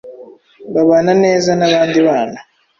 babana neza n’abandi bana